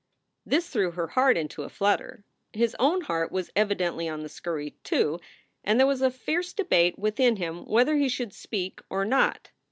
This threw her heart into a flutter. His own heart was evidently on the scurry, too, and there was a fierce debate within him whether he should speak or not.